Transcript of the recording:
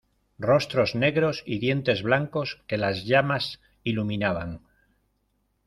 rostros negros y dientes blancos que las llamas iluminaban.